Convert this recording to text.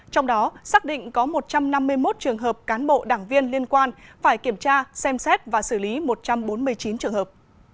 trong đó xác định có một trăm năm mươi một trường hợp cán bộ đảng viên liên quan phải kiểm tra xem xét và xử lý một trăm bốn mươi chín trường hợp